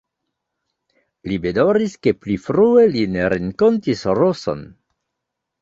Li bedaŭris, ke pli frue li ne renkontis Roson.